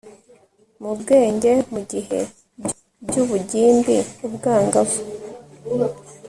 mu bwenge mu gihe by'ubugimbi ubwangavu